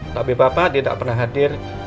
tapi bapak tidak pernah hadir